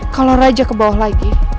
kalau raja ke bawah lagi